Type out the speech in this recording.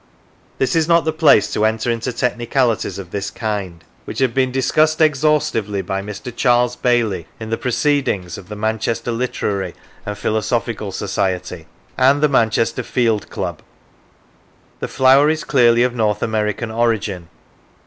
This is not the place to enter into technicalities of this kind, which have been discussed exhaustively by Mr. Charles Bailey in the Proceedings of the Manchester Literary and Philosophical Society and the Manchester Field Club. The flower is clearly of North American origin.